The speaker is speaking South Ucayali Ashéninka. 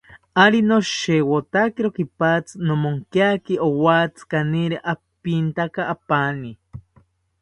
Ari noshewotakiro kipatzi, nomonkiaki owatzi kaniri apintaka apani